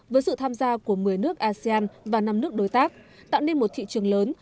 với sự tham gia của một mươi nước asean và năm nước đối tác tạo nên một thị trường lớn